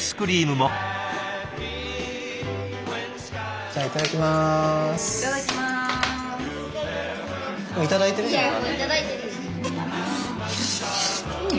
もういただいてるじゃん。